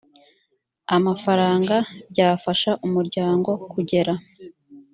amafaranga byafasha umuryango kugera